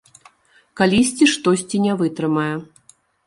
Калісьці штосьці не вытрымае.